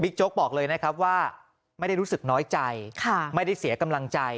โจ๊กบอกเลยนะครับว่าไม่ได้รู้สึกน้อยใจไม่ได้เสียกำลังใจ